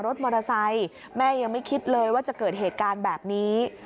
รถมอเตอร์ไซค์แม่ยังไม่คิดเลยว่าจะเกิดเหตุการณ์แบบนี้